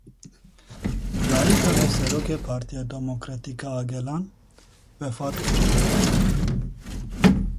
Dayika Hevserokê Partiya Demokratîk a Gelan wefat kir.